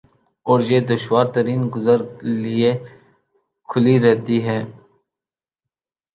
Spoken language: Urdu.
اور یہ دشوار ترین گزر لئے کھلی رہتی ہے ۔